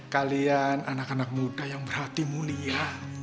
kalian anak anak muda yang berhati mulia